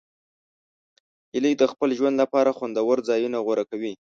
هیلۍ د خپل ژوند لپاره خوندور ځایونه غوره کوي